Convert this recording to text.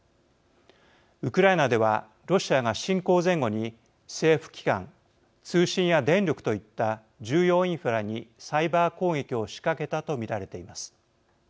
ウクライナではロシアが侵攻前後に政府機関通信や電力といった重要インフラにサイバー攻撃を仕掛けたと見られています。